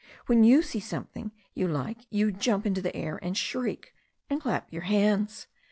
When you see something you like you jump into the air, and shriek, and clap your hands.